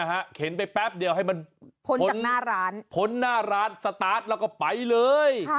เห็นไปแป๊บเดียวให้มันพ้นจากหน้าร้านพ้นหน้าร้านสตาร์ทแล้วก็ไปเลย